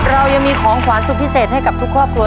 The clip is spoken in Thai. เรายังมีของขวานสุดพิเศษให้กับทุกครอบครัว